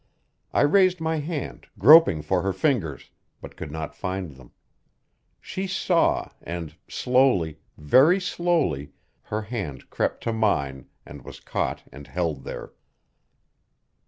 I raised my hand, groping for her fingers, but could not find them. She saw, and slowly, very slowly, her hand crept to mine and was caught and held there.